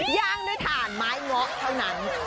ย่างด้วยถ่านไม้เงาะเท่านั้น